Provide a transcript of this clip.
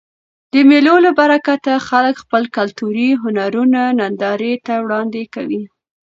د مېلو له برکته خلک خپل کلتوري هنرونه نندارې ته وړاندي کوي.